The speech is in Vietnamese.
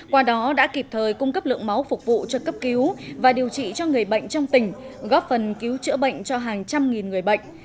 qua đó đã kịp thời cung cấp lượng máu phục vụ cho cấp cứu và điều trị cho người bệnh trong tỉnh góp phần cứu chữa bệnh cho hàng trăm nghìn người bệnh